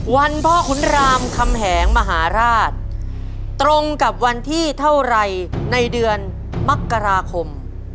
พ่อขุนรามคำแหงมหาราชตรงกับวันที่เท่าไรในเดือนมกราคม